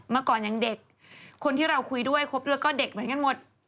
เมื่อก่อนยังเด็กคนที่เราคุยด้วยครบด้วยก็เด็กเหมือนกันหมด